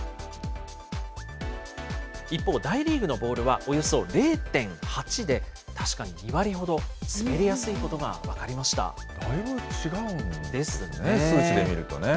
一方、大リーグのボールはおよそ０．８で、確かに２割ほど滑りやすいことが分かりました。ですね。